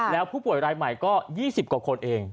แล้วผู้ป่วยรายใหม่ก็๒๐กว่าคนเอง